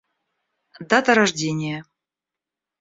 Дата рождения